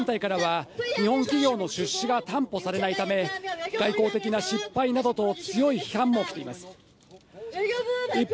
ただ原告の一部や支援団体からは日本企業の出資が担保されないため外交的な失敗などと強い批判も起きています。